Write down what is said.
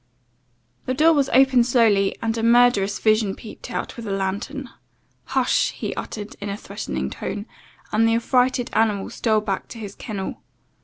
"The door was opened slowly, and a murderous visage peeped out, with a lantern. 'Hush!' he uttered, in a threatning tone, and the affrighted animal stole back to his kennel.